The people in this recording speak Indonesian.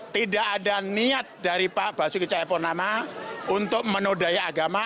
tidak ada niat dari pak basuki cahaya purnama untuk menudaya agama